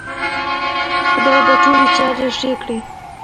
خدای به ټولې چارې ښې کړې